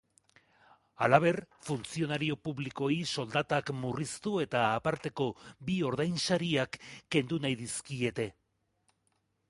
Halaber, funtzionario publikoei soldatak murriztu eta aparteko bi ordainsariak kendu nahi dizkiete.